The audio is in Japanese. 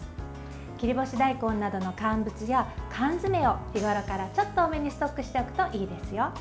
切り干し大根などの乾物や缶詰を日ごろからちょっと多めにストックしておくといいですよ。